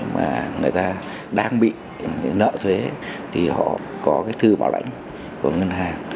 mà người ta đang bị nợ thuế thì họ có cái thư bảo lãnh của ngân hàng